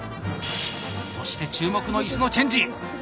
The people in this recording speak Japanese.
そして注目のいすのチェンジ！